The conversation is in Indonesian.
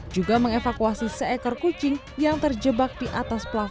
juga mengevakuasi seekor kucing yang terjebak di antara kucing